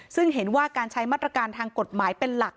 ซึ่งเห็นว่าการใช้มาตรการทางกฎหมายเป็นหลัก